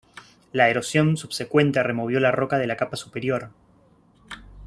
La erosión subsecuente removió la roca de la capa superior.